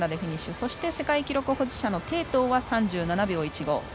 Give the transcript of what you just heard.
そして、世界記録保持者の鄭濤は３７秒１５。